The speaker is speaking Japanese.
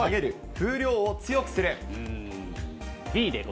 風力を強くする。